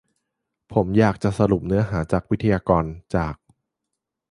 ผมอยากจะสรุปเนื้อหาจากวิทยากรจาก